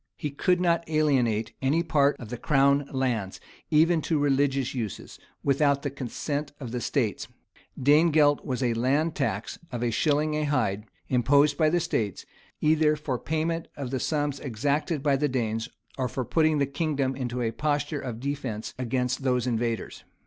He could not alienate any part of the crown lands, even to religious uses, without the consent of the states.[] Danegelt was a land tax of a shilling a hide, imposed by the states,[] either for payment of the sums exacted by the Danes, or for putting the kingdom in a posture of defence against those invaders.